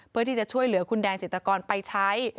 เพื่อที่จะช่วยเหลือคุณแดงจิตกรไปใช้